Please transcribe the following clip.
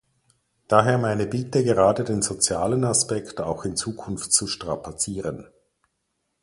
Daher meine Bitte, gerade den sozialen Aspekt auch in Zukunft zu strapazieren.